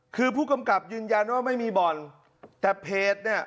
คือผู้กำกับยืนยันว่าไม่มีบ่อนแต่เพจเนี่ย